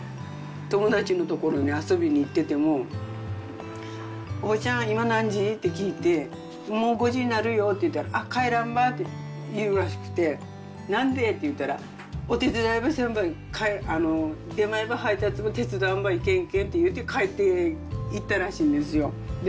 子どもたちにはそれこそ迷惑かけてきたから、友達のところに遊びに行ってても、おばちゃん、今何時って聞いて、もう５時になるよって言うたら、あっ、帰らんばっていいにきて、なんでって言ったら、お手伝いばせんば、出前ば、配達ば、手伝わんばいけんけんって、帰っていったらしいんですよ。